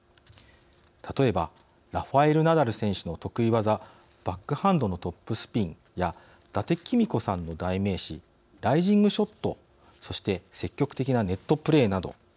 例えばラファエル・ナダル選手の得意技バックハンドのトップスピンや伊達公子さんの代名詞ライジングショットそして積極的なネットプレーなど。